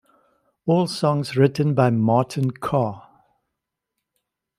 All songs written by Martin Carr.